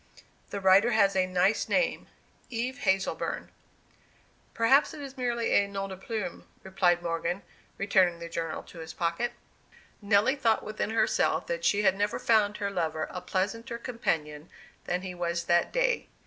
The writer has a nice name, Eve Hazleburn." "Perhaps it is merely a nom de plume," replied Morgan, returning the journal to his pocket. Nelly thought within herself that she had never found her lover a pleasanter companion than he was that day.